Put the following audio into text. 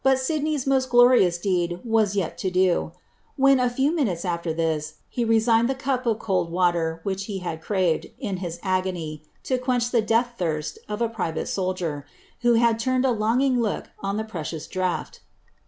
^.n.iey's most gloiious deed was yet to dn; when, a few nimvites after lliis, he resinned the cup of cold ■water which he had craved, in his agony, to quench the dealh lhirsl of a private soldier, who had turned a longing took on the precious draught.